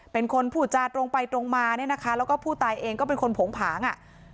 เป็นคนผูจาตรตรงไปตรงมาแล้วก็ผู้ตายเองก็เป็นคนผงผาง